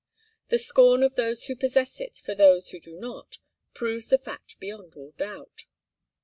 The scorn of those who possess it for those who do not, proves the fact beyond all doubt.